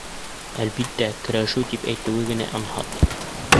Әлбиттә, көрәшеү тип әйтеүе генә анһат.